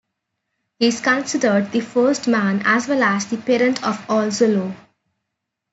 He is considered the first man as well as the parent of all Zulu.